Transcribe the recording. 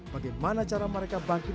bagaimana cara mereka bangkit